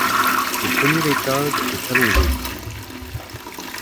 Le premier étage est allongé.